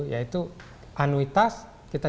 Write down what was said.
yaitu anuitas kita